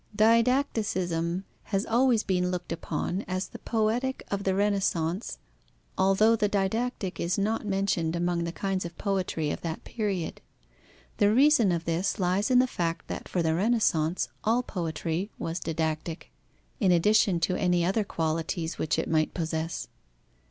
Didacticism has always been looked upon as the Poetic of the Renaissance, although the didactic is not mentioned among the kinds of poetry of that period. The reason of this lies in the fact that for the Renaissance all poetry was didactic, in addition to any other qualities which it might possess.